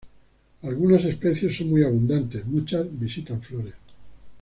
Algunas especies son muy abundantes; muchas visitan flores.